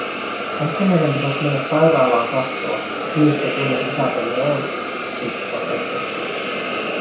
“Ehkä meidän pitäis mennä sairaalaa kattoo, et missä kunnos Isabelle on?”, Victor ehdotti.